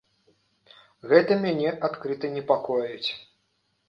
Гэта мяне адкрыта непакоіць.